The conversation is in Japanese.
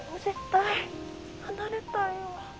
絶対離れたりは。